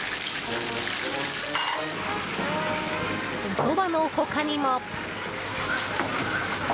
おそばの他にも。